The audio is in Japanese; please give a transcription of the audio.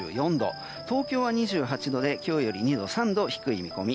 東京は２８度で今日より２度３度低い見込み。